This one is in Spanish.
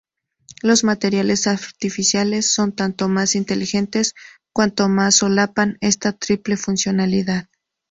Los materiales artificiales son tanto mas inteligentes cuanto mas solapan esa triple funcionalidad.